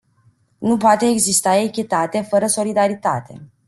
Nu poate exista echitate fără solidaritate.